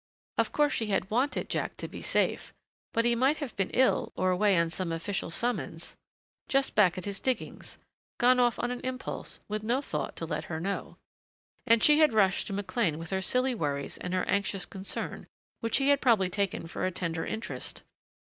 Of course she had wanted Jack to be safe.... But he might have been ill or away on some official summons Just back at his diggings. Gone off on an impulse, with no thought to let her know.... And she had rushed to McLean with her silly worries and her anxious concern which he had probably taken for a tender interest....